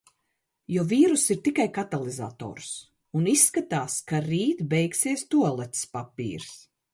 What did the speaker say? Jo vīruss ir tikai katalizators. Un izskatās, ka rīt beigsies tualetes papīrs.